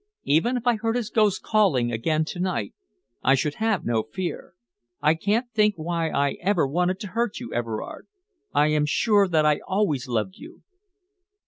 Even if I heard his ghost calling again to night, I should have no fear. I can't think why I ever wanted to hurt you, Everard. I am sure that I always loved you."